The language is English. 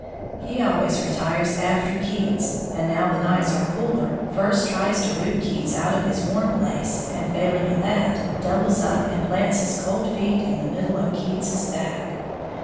He always retires after Keats, and, now the nights are cooler, first tries to root Keats out of his warm place, and, failing in that, doubles up and plants his cold feet in the middle of Keats's back.